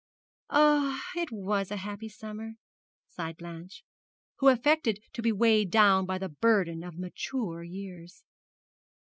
'Ah, it was a happy summer!' sighed Blanche, who affected to be weighed down by the burden of mature years.